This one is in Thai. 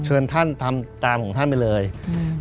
เชิญท่านทำตามของท่านไปเลยอืม